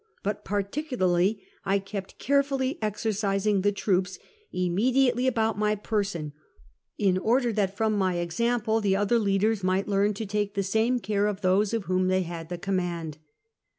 But particularly I kept carefully exercising the troops immediately about my person, in order that from my example the other leaders might learn to take the same care of those of whom they had the command.